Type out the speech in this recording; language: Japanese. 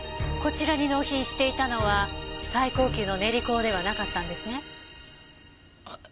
こちらに納品していたのは最高級の練香ではなかったんですね？